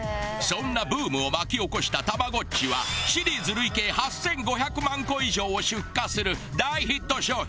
そんなブームを巻き起こしたたまごっちはシリーズ累計８５００万個以上を出荷する大ヒット商品に。